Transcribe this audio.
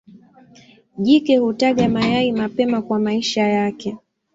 Jike hutaga mayai mapema kwa maisha yake.